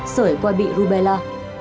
sởi coi bị rubella